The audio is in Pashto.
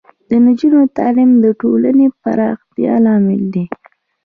د نجونو تعلیم د ټولنې پراختیا لامل دی.